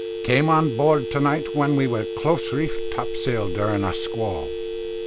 Came on board to night when we close reefed topsails durin' a squall."